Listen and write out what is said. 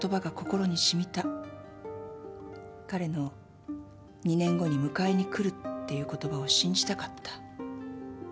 彼の「２年後に迎えに来る」っていう言葉を信じたかった。